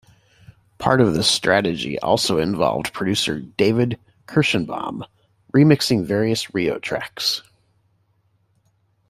Part of this strategy also involved producer David Kershenbaum remixing various "Rio" tracks.